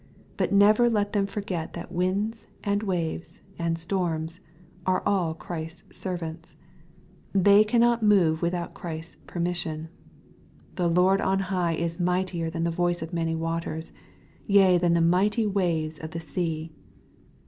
But never let them forget that winds, and waves, and storms are all Christ's servants. They cannot move without Christ's permission. " The Lord on high is mightier than the ; voice of many waters, yea than the mighty waves of the i sea."